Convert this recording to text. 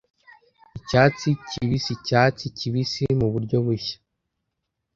Icyatsi kibisiicyatsi kibisi muburyo bushya